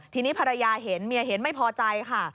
ทีนี้ภรรยาเห็นเมียเห็นไม่พอใจค่ะ